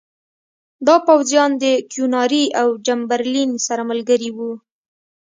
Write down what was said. دا پوځیان د کیوناري او چمبرلین سره ملګري وو.